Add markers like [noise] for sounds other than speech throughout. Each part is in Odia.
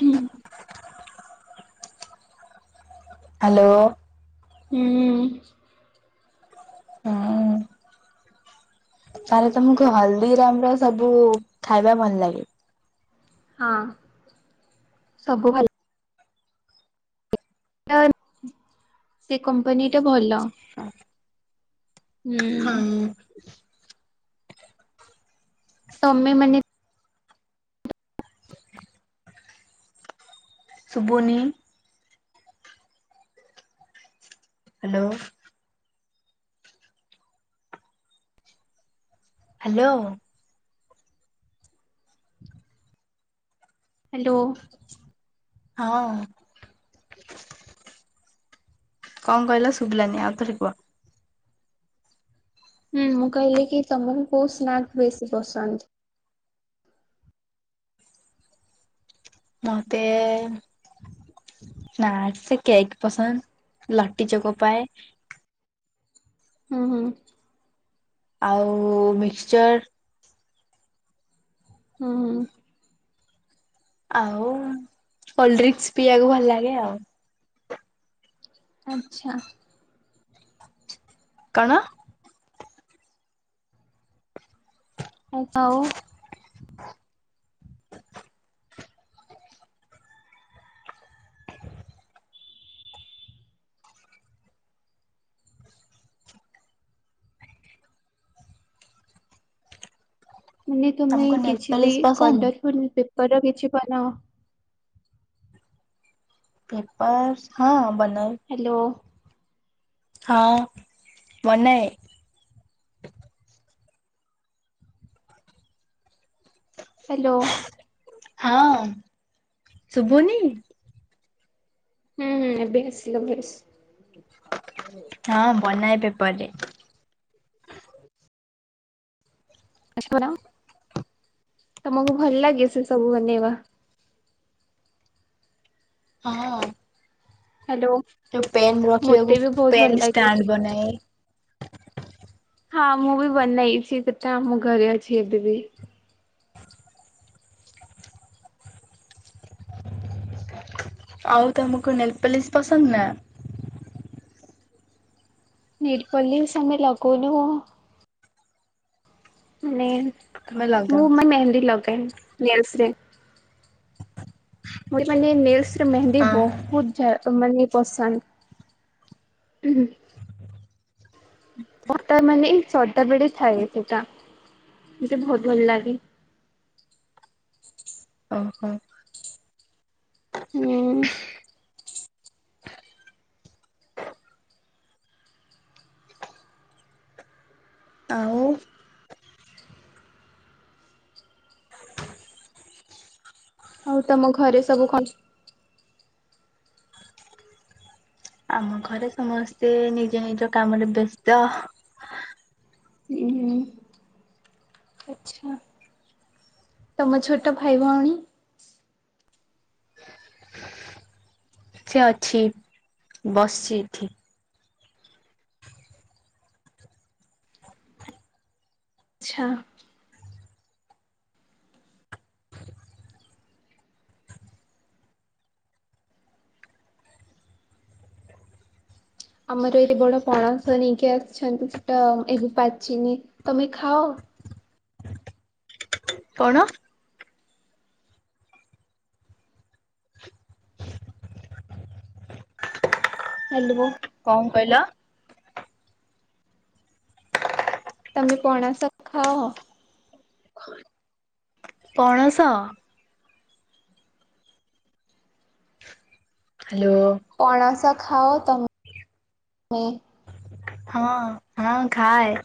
ହୁଁ ହ୍ୟାଲୋ। ହୁଁ। ହଁ। ତାହାଲେ ତମକୁ ହଳଦୀରାମର ସବୁ ଖାଇବା ଭଲ ଲାଗେ। ହଁ ସବୁ ଭଲ। ସେ କମ୍ପାନୀ ଟା ଭଲ। ହୁଁ। ହଁ ତମେ ମାନେ ସୁୁଭୁନି? ହ୍ୟାଲୋ। ହ୍ୟାଲୋ। ହ୍ୟାଲୋ। ହଁ। କଣ କହିଲ ଶୁଭିଲାନି ଆଉଥରେ କୁହ? ହୁଁ ମୁଁ କହିଲି କି ତମକୁ କୋଉ ସ୍ନାକ୍ ବେଶୀ ପସନ୍ଦ? ମତେ ନସିକ କେକ୍ ପସନ୍ଦ ଲଟି ଚୋକ ପାଏ। ହୁଁ, ହୁଁ। ଆଉ ମିକ୍ସଚର୍। ହୁଁ, ହୁଁ। ଆଉ କୋଲ୍ଡଡ୍ରିଙ୍କସ୍ ପିଇବାକୁ ଭଲ ଲାଗେ ଆଉ। ଆଚ୍ଛା। କଣ? ଏ ତଉ। ମାନେ ତୁମେ ତମକୁ କିଛି ବି ନେଲପଲିସ୍ ପସନ୍ଦ କଲରଫୁଲ୍ ପେପର ର କିଛି ବନାଅ? ପେପର୍ସ୍ ହଁ ବନ ହ୍ୟାଲୋ। ହଁ ବନାଏ। ହ୍ୟାଲୋ। ହଁ ଶୁଭୁନି। ହୁଁ ହୁଁ ଏବେ ଆସିଲା ଭଏସ। ହଁ ବନାଏ ପେପରରେ ଅଶପୁର ତମକୁ ଭଲ ଲାଗେ ସେ ସବୁ ବନେଇବା? ହଁ। ହ୍ୟାଲୋ ଯୋଉ ପେନ୍ ମତେ ରଖିବାକୁ ବି ବହୁତ ଭଲ ପେନ୍ ଲାଗେ। ଷ୍ଟାଣ୍ଡ ବନାଏ। ହଁ ମୁଁ ବି ବନେଇଛି କେତେମ ଘରେ ଅଛି ଏବେ ବି ଆଉ ତମକୁ ନେଲପଲିସ୍ ପସନ୍ଦ ନା? ନିରପଲ୍ଲିସ ଆମେ ଲଗୋଉନୁ। ମାନେ ତମେ ମୁଁ ଲଗାଅ? ମାନେ ମେହେନ୍ଦି ଲଗାଏ ନେଲ୍ସ ରେ। ମୋର୍ ମାନେ ନେଲ୍ସେ ରେ ମେହେନ୍ଦୀ ହଁ ବହୁତ ତ ମନି ପସନ୍ ଆତ ମାନେ ସଦାବେଳେ ଥାଏ ସେଟା। ମତେ ବହୁତ ଭଲ ଲାଗେ। ଓହୋ। ହଁ। ଆଉ ଆଉ ତମ ଘରେ ସବୁ କଣ? ଆମ ଘରେ ସମସ୍ତେ ନିଜ ନିଜ କାମରେ ବ୍ୟସ୍ତ। ହୁଁ ଆଚ୍ଛା ତମ ଛୋଟ ଭାଇ ଭଉଣୀ? ସେ ଅଛି ବସିଛି ଏଠି ଆଛା। ଆମର ଏତେ ବଡ ପଣସ ନେଇକି ଆସିଛନ୍ତି ସେଟା ଏବେ ପାଚିନି। ତମେ ଖାଅ? କଣ? ହେଲିବୁ କଣ କହିଲ? ତମେ ପଣାସ ଖାଅ? ପଣସ ହ୍ୟାଲୋ। ପଣାସ ଖାଅ ତମେ? ହଁ ହଁ ଖାଏ।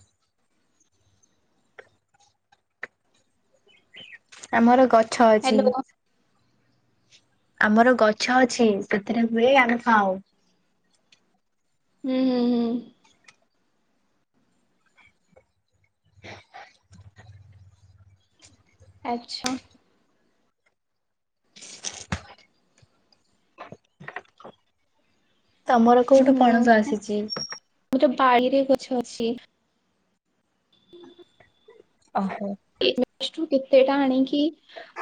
ଆମର ଗଛ ଅଛି। ହ୍ୟାଲୋ ଆମର ଗଛ ଅଛି ସେଥିରେ ହୁଏ ଆମେ ଖାଉ। ହୁଁ ହୁଁ ହୁଁ। ଆଚ୍ଛା ତମର ହୁଁ କୋଉଠୁ ପଣସ ହୁଁ ଆସିଛି? ମୁଁ ତ ବାହରେ ଗଛେ ଅଛି ଓହୋ ଏଠୁ କେତେଟା ଆଣିକି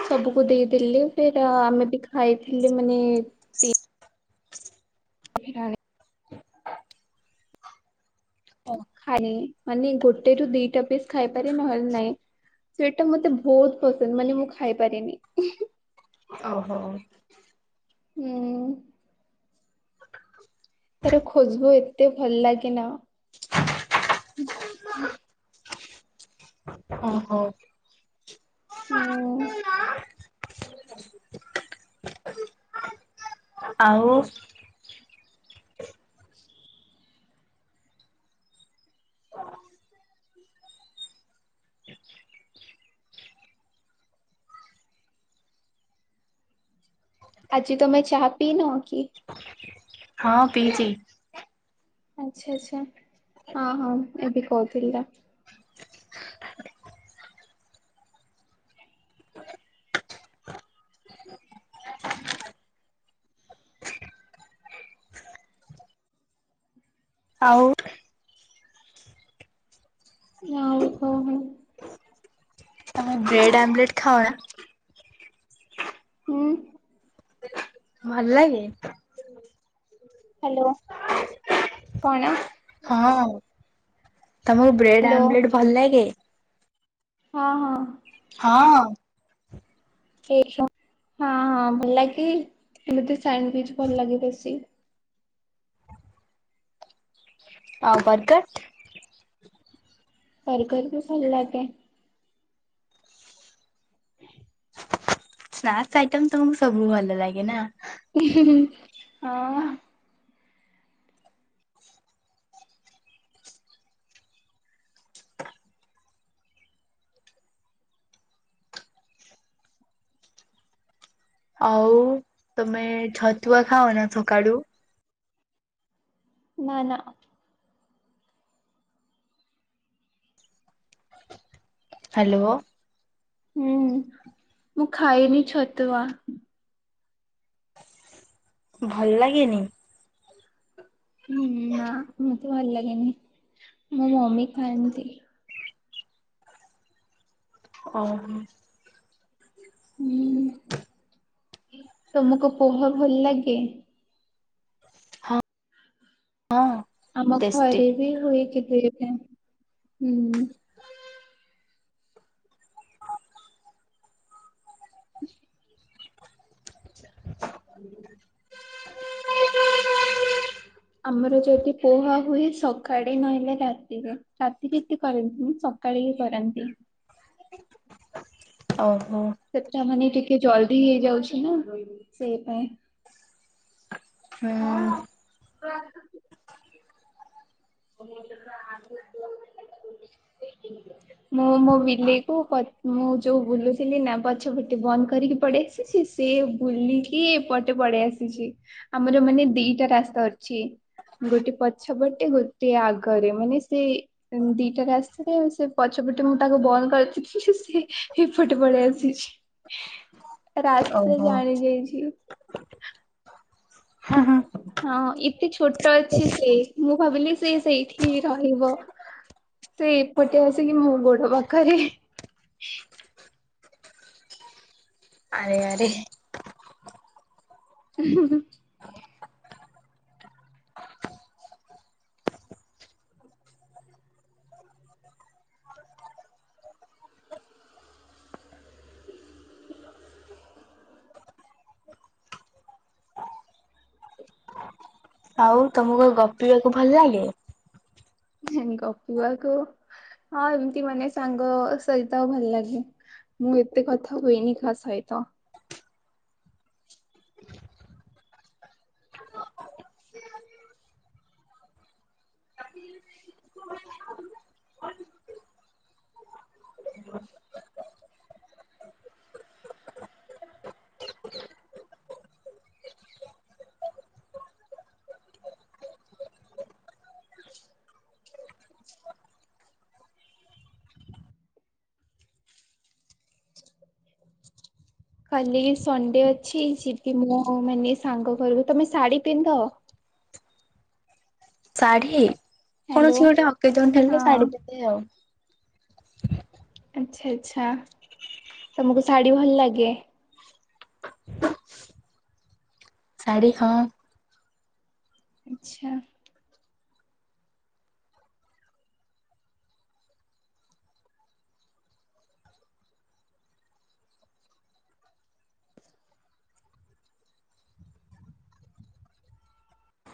ସବୁକୁ ଦେଇଦେଲେ ଫର ଆମେ ବି ଖାଇଥିଲୁ ମାନେ ଣ [unintelligible] ଖାଇ ମାନେ ଗୋଟେ ରୁ ଦିଟା ପିସ୍ ଖାଇପାରେ ନହେଲେ ନାଇଁ ସେଟ ଟା ମତେ ବହୁତ ପସନ୍ଦ ମାନେ ମୁଁ ଖାଇପାରିନି ଓହୋ ହୁଁ ତାର ଖୋଜିବୁ ଏତେ ଭଲ ଲାଗେ ନା ଓହୋ ହୁ ଆଉ [inaudible] ଆଜି ତମେ ଚା ପି ନ କିି ହଁ ପିଛି ଆଚଛା ଆଚଛା ହଁ ହଁ ଏବେ କହୁଥିଲି। ତ ଆଉ ଆଁଉ କହୋ ମୁଁ ବ୍ରେଡ଼୍ ଆମ୍ଲେଟ୍ ଖାାଉଣା ହୁଁ ଭଲ ଲାଗେ ହ୍ୟାଲୋ କଣ ତମର ବ୍ରେଡ ହ୍ୟାଲୋ ଆମଲେଟ୍ ଭଲ ଲାଗେ ହଁ ହଁ ହଁ ଏଇ ସମ [unintelligible] ହଁ ହଁ ଭଲ ଲାଗେ ମତେ ସଣ୍ଡୁଇଚ ଭଲ ଲାଗେ ବେଶୀ ଆଉ ବର୍ଗର କରି କରି ପସନ୍ଦ ଲାଗେ ସ୍ନାକ୍ସ ଆଇଟମ ତମକୁ ସବୁ ଭଲ ଲାଗେ ନା ହଁ ଆଉ ତମେ ଛତୁଆ ଖାଅ ନା ସକାଳୁ ନା ନା ହ୍ୟାଲୋ ହୁଁ ମୁଁ ଖାଏନି ଛତୁଆ ଭଲ ଲାଗେନି ହୁଁ ନା ମତେ ଭଲ ଲାଗେନି ମୋ ମମି ଖାଆନ୍ତି ଓହୋ ହୁଁ ତମକୁ ପୋହ ଭଲ ଲାଗେ ହଁ ଆମ ଟେଷ୍ଟି। ଘରେ ବି ହୁଏକିୁ କେବେ ହୁଁ ହ [inaudible] [inaudible] [inaudible] [inaudible] ଆମର ଯଦି ପୋହା ହୁଏ ସକାଳେ ନହେଲେ ରାତିରେ ରାତି କେତେ କରନ୍ତିନି ସକାଳେ କିଏ କରନ୍ତି ଓଃ ସେଟ ମାନେ ଟିକେ ଜଲଦି ହେଇଯାଉଛି ନା ସେଇ ପାଇଁ ହ [unintelligible] [unintelligible] [inaudible] ମୁଁ ମୋ ବିଲେଇକୁ ମୁଁ ଯୋଉ ବୁଲୁଥିଲି ନା ପଛ ପଟେ ବନ୍ଦ କରିକି ପଡେ ସେ ଆସି ସେ ବୁଲିକି ପଟେ ପଳେଇ ଆସିଛି ଆମର ମାନେ ଦିଟା ରାସ୍ତା ଅଛି ଗୋଟେ ପଛପଟେ ଗୋଟେ ଗୋଟେ ଆଗରେ ମାନେ ସେ ଦିଟା ରାସ୍ତାରେ ସେ ପଛପଟେ ମୁଁ ତାକୁ ବନ୍ଦ କରିଥିଲି ସେ ଏପଟେ ପଳେଇ ଆସିଛି। [inaudible] ରାସ୍ତା ଓହୋ। ଜାଣି ଯାଇଛି ହୁଁ ହୁଁ। ହଁ ଏତେ ଛୋଟ ଅଛି ସେ ମୁଁ ମୁଁ ଭାବିଲି ସେ ସେଇଠିି ରହିବ। ସେ ଏପଟେ ଆସିକି ମୋ ଗୋଡ ପାଖରେ। ଆରେ ଆରେ ହୁଁ। ଆଉ ତମକୁ ଗପିବାକୁ ଭଲ ଲାଗେ? ଗପିବାକୁ ହଁ ଏମିତି ମାନେ ସାଙ୍ଗ ସହିତ ଆଉ ଭଲ ଲାଗେ। ମୁଁ ଏତେ କଥା ହୁଏନି କାହା ସହିତ। କାଲି ସନଣ୍ଡେ ଅଛି ଯିବି ମୁଁ ମାନେ ସାଙ୍ଗ ଘରକୁ ତମେ ଶାଢୀ ପିନ୍ଧ? ହଁ [inaudible] ଶାଢୀ ହ୍ୟାଲୋ କୌଣସି ଗୋଟେ ଅକେଜନ ହେଲେ ହଁ ଶାଢୀ ପିନ୍ଧେ ଆଉ ଆଚ୍ଛା ଆଚ୍ଛା ତମକୁ ଶାଢୀ ଭଲ ଲାଗେ? ଶାଢ଼ୀ ହଁ। ଆଚ୍ଛା।